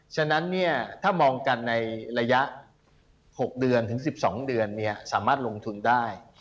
ฉะนั้นถ้ามองกันในระยะ๖เดือนถึง๑๒เดือนสามารถลงทุนได้